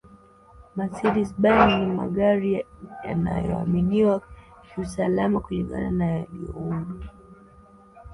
mecedes ben ni magari yanayoaminiwa kiusalama kulingana na yaliundwa